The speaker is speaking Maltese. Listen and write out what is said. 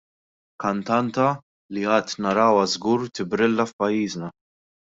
Kantanta li għad narawha żgur tibrilla f'pajjiżna.